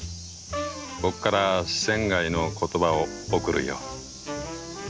僕から仙の言葉を贈るよ」。